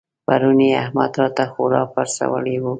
پرون يې احمد راته خورا پړسولی وو.